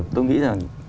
tôi nghĩ là